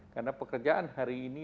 karena pekerjaan hari ini